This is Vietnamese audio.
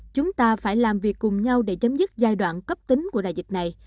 chúng ta phải làm việc cùng nhau để chấm dứt giai đoạn cấp tính của đại dịch này